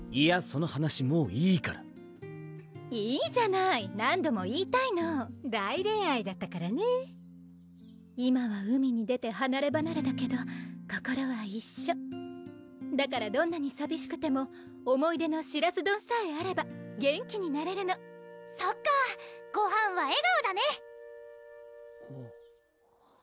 その話もういいからいいじゃない何度も言いたいの大恋愛だったからねぇ今は海に出てはなればなれだけど心は一緒だからどんなにさびしくても思い出のしらす丼さえあれば元気になれるのそっか「ごはんは笑顔」だね！